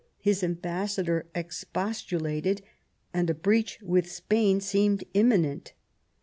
His ambassador expostulated, and a breach with Spain seemed imminent.